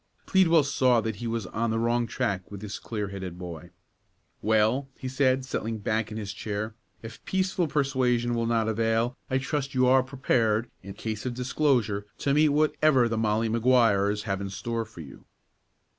Pleadwell saw that he was on the wrong track with this clear headed boy. "Well," he said, settling back in his chair, "if peaceful persuasion will not avail, I trust you are prepared, in case of disclosure, to meet whatever the Molly Maguires have in store for you?"